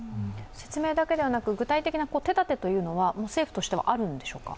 説明だけではなく、具体的な手だては政府としてはあるんでしょうか？